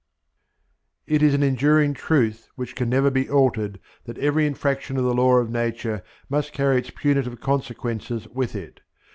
It is an enduring truth, which can never be altered, that every infraction of the Law of Nature must carry its punitive consequences with it.